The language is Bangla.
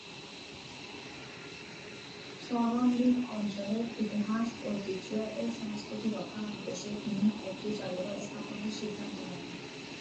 চলনবিল অঞ্চলের ইতিহাস, ঐতিহ্য ও সংস্কৃতি রক্ষার উদ্দেশ্যে তিনি একটি জাদুঘর স্থাপনের সিদ্ধান্ত নেন।